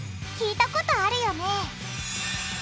聞いたことあるよね？